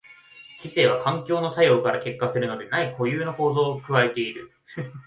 知性は環境の作用から結果するのでない固有の構造を具えている。